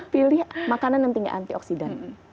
pilih makanan yang tinggal antioksidan